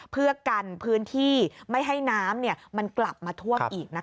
เพื่อกันพื้นที่ไม่ให้น้ำมันกลับมาท่วมอีก